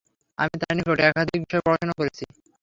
আমি তার নিকট একাধিক বিষয়ে পড়াশুনা করেছি।